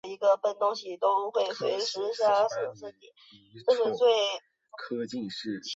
康熙四十八年己丑科进士。